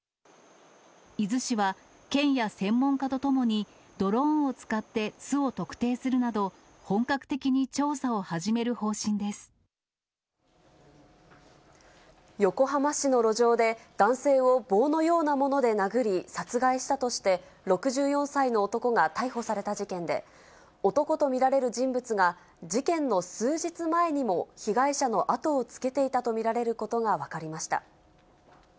伊豆市は、県や専門家と共にドローンを使って巣を特定するなど、本格的に調横浜市の路上で、男性を棒のようなもので殴り殺害したとして、６４歳の男が逮捕された事件で、男と見られる人物が、事件の数日前にも被害者の後をつけていたと見られることが分かりました。